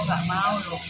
kok gak mau lho